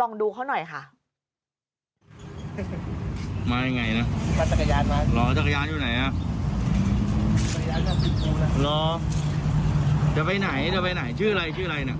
ลองดูเขาหน่อยค่ะ